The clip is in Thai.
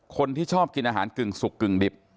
คนที่ชอบกินอาหารกึ่งสุกกึ่งดิบ